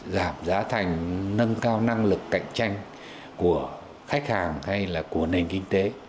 giảm giá thành nâng cao năng lực cạnh tranh của khách hàng hay là của nền kinh tế